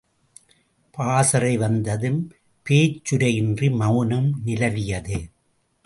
பாசறை வந்ததும் பேச்சுரை இன்றி மவுனம் நிலவியது.